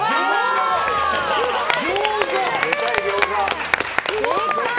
ギョーザだ！